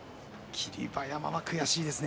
霧馬山は悔しいですね。